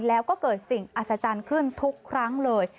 แล้วก็เกิดสิ่งอัศจรรย์ขึ้นทุกครั้งเลย